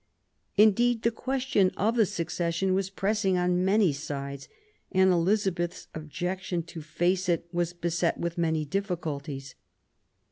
Indeed, the question of the succession was press ing on many sides, and Elizabeth's objection to face it was beset with many difficulties.